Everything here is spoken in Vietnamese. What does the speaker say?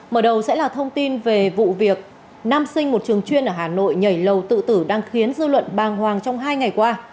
mở đầu sẽ là thông tin về vụ việc nam sinh một trường chuyên ở hà nội nhảy lầu tự tử đang khiến dư luận bàng hoàng trong hai ngày qua